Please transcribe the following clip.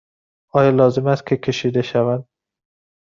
آیا لازم است که کشیده شود؟